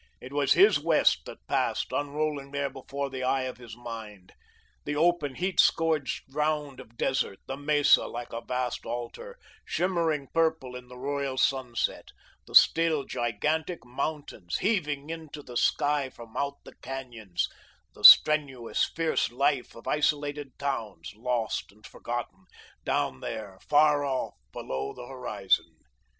It was his West that passed, unrolling there before the eye of his mind: the open, heat scourged round of desert; the mesa, like a vast altar, shimmering purple in the royal sunset; the still, gigantic mountains, heaving into the sky from out the canyons; the strenuous, fierce life of isolated towns, lost and forgotten, down there, far off, below the horizon.